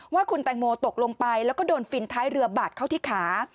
ว่าคุณแตงโมตกลงไปแล้วก็โดนฟินท้ายเรือบาดเข้าที่ขา